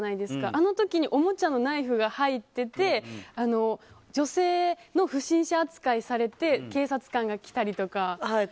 あの時におもちゃのナイフが入ってて女性の不審者扱いされて警察官が来たりとか。